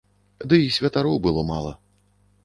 Дый святароў было мала.